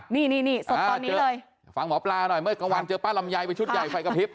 นี่นี่ศพตอนนี้เลยฟังหมอปลาหน่อยเมื่อกลางวันเจอป้าลำไยไปชุดใหญ่ไฟกระพริบ